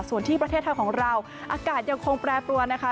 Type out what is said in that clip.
ส่วนที่ประเทศไทยของเราอากาศยังคงแปรปรวนนะคะ